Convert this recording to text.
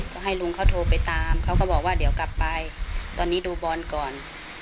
ก็ให้ลุงเขาโทรไปตามเขาก็บอกว่าเดี๋ยวกลับไปตอนนี้ดูบอลก่อน